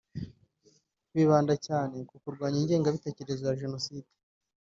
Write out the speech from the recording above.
bibanda cyane ku kurwanya ingengabitekerezo ya jenoside